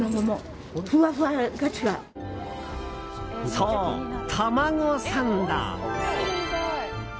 そう、玉子サンド。